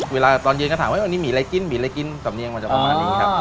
เวลาตอนยืนก็ถามว่าวันนี้มีอะไรกินหมี่อะไรกินสำเนียงมันจะประมาณนี้ครับ